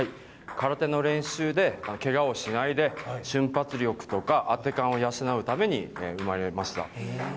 空手の練習で、けがをしないで、瞬発力とか当て感を養うために生まれました。